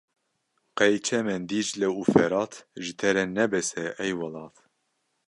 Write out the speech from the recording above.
Qey çemên Dîcle û Ferat ji te re ne bes e ey welat.